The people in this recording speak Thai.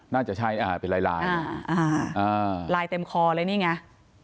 น่าจะใช่อ่าเป็นลายลายเต็มคอเลยนี่ไง